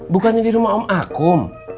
bukannya di rumah om akum